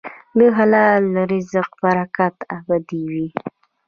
د حلال رزق برکت ابدي وي.